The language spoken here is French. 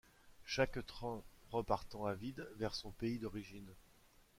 Chaque train repartant à vide vers son pays d'origine.